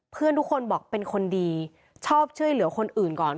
เพื่อนทุกคนบอกเป็นคนดีชอบช่วยเหลือคนอื่นก่อน